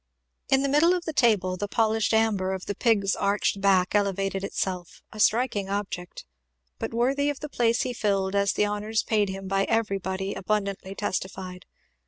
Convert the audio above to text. In the middle of the table the polished amber of the pig's arched back elevated itself, a striking object, but worthy of the place he filled, as the honours paid him by everybody abundantly testified.